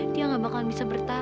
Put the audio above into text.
dia gak bakal bisa bertahan